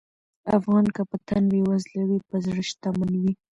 افغان که په تن بېوزله وي، په زړه شتمن وي.